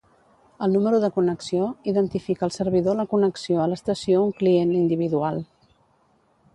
El número de connexió identifica al servidor la connexió a l'estació un client individual.